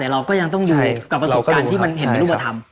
แต่เราก็ยังต้องการออกการที่มันเห็นเป็นรูปธรรม